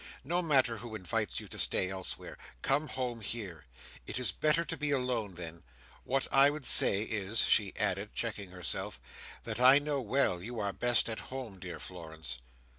No matter who invites you to stay elsewhere. Come home here. It is better to be alone than—what I would say is," she added, checking herself, "that I know well you are best at home, dear Florence."